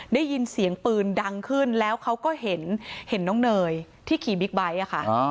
ได้ยินเสียงปืนดังขึ้นแล้วเขาก็เห็นน้องเนยที่ขี่บิ๊กไบท์ค่ะ